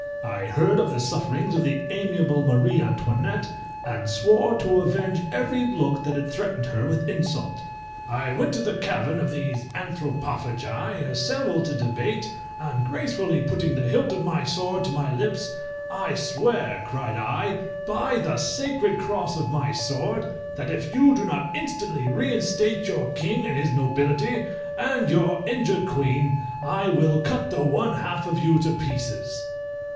I heard of the sufferings of the amiable Marie Antoinette, and swore to avenge every look that had threatened her with insult. I went to the cavern of these Anthropophagi, assembled to debate, and gracefully putting the hilt of my sword to my lips "I swear," cried I, "by the sacred cross of my sword, that if you do not instantly reinstate your king and his nobility, and your injured queen, I will cut the one half of you to pieces."